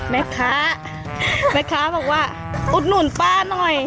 แม่คะแม่คะบอกว่าอุดหนุนป่านอย